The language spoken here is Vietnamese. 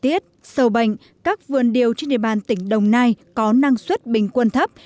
thời tiết sầu bệnh các vườn điều trên địa bàn tỉnh đồng nai có năng suất bình quân thấp